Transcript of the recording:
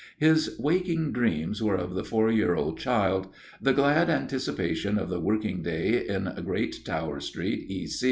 His waking dreams were of the four year old child. The glad anticipation of the working day in Great Tower St., E.